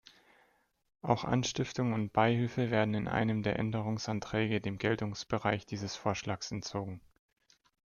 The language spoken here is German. Auch Anstiftung und Beihilfe werden in einem der Änderungsanträge dem Geltungsbereich dieses Vorschlags entzogen.